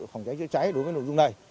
phòng cháy chữa cháy đối với nội dung này